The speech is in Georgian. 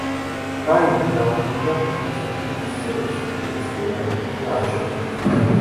დაინი დაუბრუნდა რკინის მთებს, სადაც ჯუჯების ბელადად იქნა არჩეული.